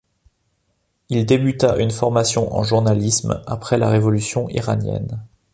Il débuta une formation en journalisme après la Révolution iranienne.